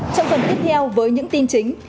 trong phần tiếp theo với những tin chính